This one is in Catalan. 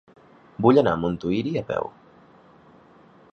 Vull anar a Montuïri a peu.